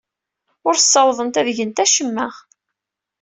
Ur ssawḍent ad gent acemma.